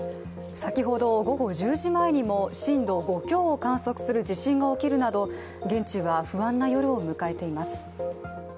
先ほど午後１０時前にも震度５強を観測する地震が起きるなど現地は不安な夜を迎えています。